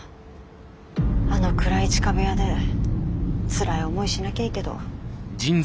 あの暗い地下部屋でつらい思いしなきゃいいけど。